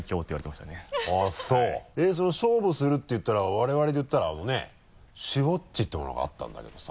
勝負するっていったら我々でいったらあのね「シュウォッチ」っていうものがあったんだけどさ。